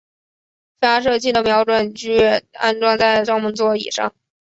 发射器的瞄准具安装在照门座以上。